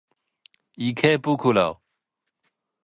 池袋